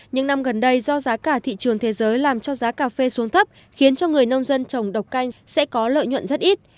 những năm gần đây do giá cả thị trường thế giới làm cho giá cà phê xuống thấp khiến cho người nông dân trồng độc canh sẽ có lợi nhuận rất ít